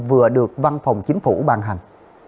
vừa được văn phòng chính phủ ban hành